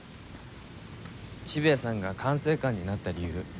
渋谷さんが管制官になった理由。